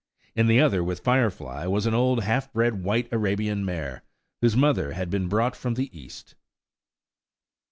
In the other, with Firefly, was an old, half bred white Arabian mare, whose mother had been brought from the East.